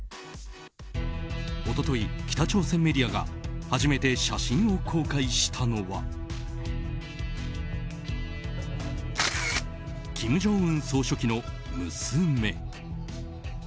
一昨日、北朝鮮メディアが初めて写真を公開したのは金正恩総書記の娘。